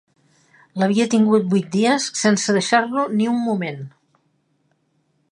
L'havia tingut vuit dies sense deixar-lo ni un moment